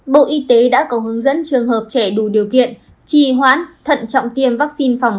bộ y tế đã có hướng dẫn trường hợp trẻ đủ điều kiện trì hoãn thận trọng tiêm vaccine phòng